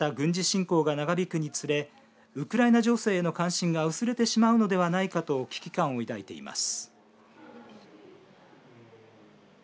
また、軍事侵攻が長引くにつれウクライナ情勢の関心が薄れてしまうのではないかと危機感を抱いています。